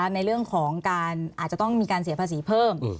ในเรื่องของการอาจจะต้องมีการเสียภาษีเพิ่ม